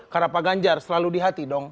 karena pak ganjar selalu di hati dong